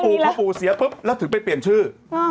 เพราะผู้เสียป่ะแล้วถือไปเปลี่ยนชื่อ